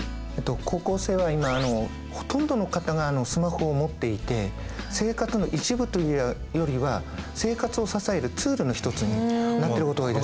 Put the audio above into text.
高校生は今ほとんどの方がスマホを持っていて生活の一部というよりは生活を支えるツールの一つになってることが多いですね。